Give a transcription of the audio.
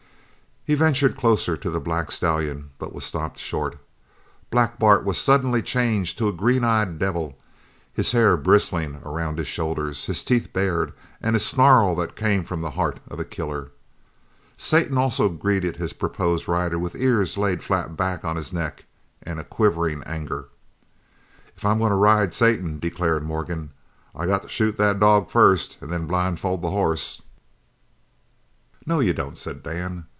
He ventured closer to the black stallion, but was stopped short. Black Bart was suddenly changed to a green eyed devil, his hair bristling around his shoulders, his teeth bared, and a snarl that came from the heart of a killer. Satan also greeted his proposed rider with ears laid flat back on his neck and a quivering anger. "If I'm goin' to ride Satan," declared Morgan, "I got to shoot the dog first and then blindfold the hoss." "No you don't," said Dan.